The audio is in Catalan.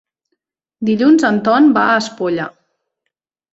Dilluns en Ton va a Espolla.